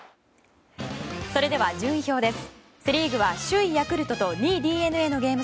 それでは順位表です。